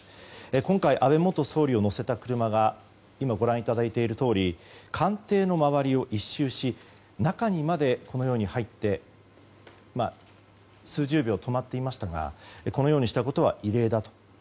今回、安倍元総理を乗せた車が今、ご覧いただいているとおり官邸の周りを１周し中にまで入って数十秒、止まっていましたがこのようにしたことは異例だと。